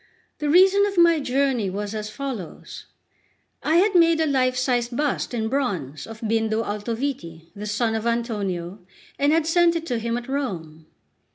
The reason of my journey was as follows. I had made a life sized bust in bronze of Bindo Altoviti, the son of Antonio, and had sent it to him at Rome.